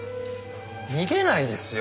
逃げないですよ。